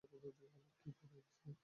কী পড়ায় সে?